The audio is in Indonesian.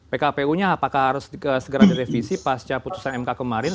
pkpu nya apakah harus segera direvisi pasca putusan mk kemarin